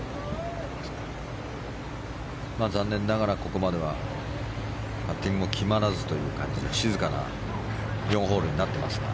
残念ながら、ここまではパッティングも決まらずという感じで静かな４ホールになっていますが。